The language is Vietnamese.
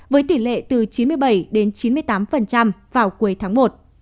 với tỷ lệ từ chín mươi bảy đến chín mươi tám vào cuối tháng một